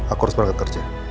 aku harus balik ke kerja